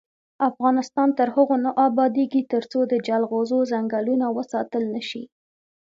افغانستان تر هغو نه ابادیږي، ترڅو د جلغوزو ځنګلونه وساتل نشي.